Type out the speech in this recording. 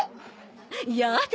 やだ